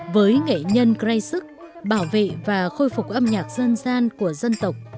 với nghệ nhân gray sức bảo vệ và khôi phục âm nhạc dân gian của dân tộc